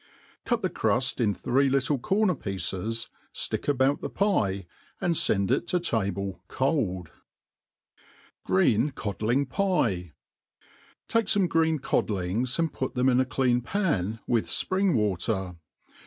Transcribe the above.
Cut the cruft in little three corner pieceS| ftick ibout the pie, and fend it to table coldt Gr^en Codling Pii* TAI^E fome green codlings, and put them in a clean pan with fpring water.